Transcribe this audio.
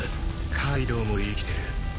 カイドウも生きてる。